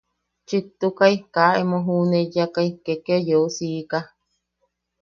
Chiktukai kaa emo juʼuneiyakai ke kea yeu siika.